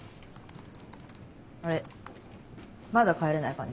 あれまだ帰れない感じ？